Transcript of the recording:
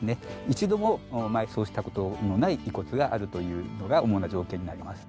一度も埋葬した事のない遺骨があるというのが主な条件になります。